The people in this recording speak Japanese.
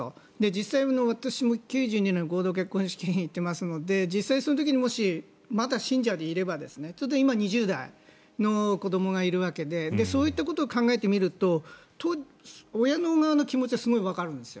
実際、私も９２年の合同結婚式に行っていますので実際、その時にまだ信者でいれば今２０代の子どもがいるわけでそういったことを考えてみると親の側の気持ちはすごくわかるんです。